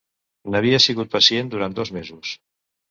N'havia sigut pacient durant dos mesos.